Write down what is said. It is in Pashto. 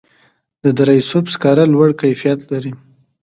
د دره صوف سکاره لوړ کیفیت لري